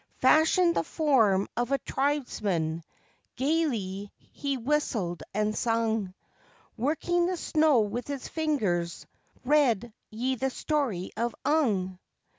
Fashioned the form of a tribesman gaily he whistled and sung, Working the snow with his fingers. _Read ye the Story of Ung!